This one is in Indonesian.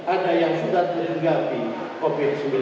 ada yang akan berpengalaman untuk berjalan ke rumah kita